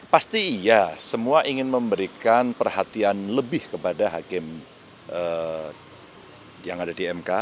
pasti iya semua ingin memberikan perhatian lebih kepada hakim yang ada di mk